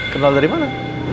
kenal dari mana